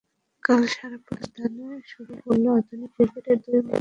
কাল সাড়ে পাঁচ ঘণ্টা ব্যবধানেই শুরু হলো আধুনিক ক্রিকেটের দুই মহাতারকার বিদায়রাগিণী।